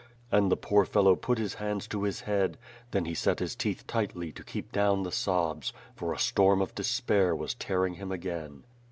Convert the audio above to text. " And the poor fellow put his hands to his head, then he set his teeth tightly to keep down the sobs, for a storm of despair was tearing him again.